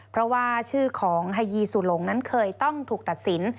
เพราะว่าชื่อของไฮยีสุหลงนั้นเคยต้องถูกตัดสิน